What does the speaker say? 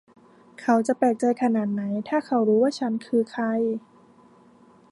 เขาจะแปลกใจขนาดไหนถ้าเขารู้ว่าฉันคือใคร